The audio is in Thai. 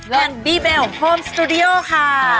และดีแม่ของฮอมสตูดิโอค่ะ